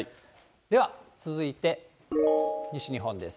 では続いて、西日本です。